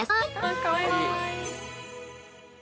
かわいい。